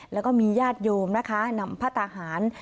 แล้วก็มีญาติโยมนะคะนำพระทหาร